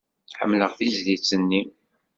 Ḥemmleɣ tizlit-nni.